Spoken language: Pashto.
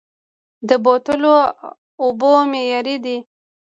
د بوتلو اوبه معیاري دي؟